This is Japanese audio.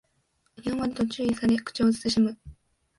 やんわりと注意され口を慎む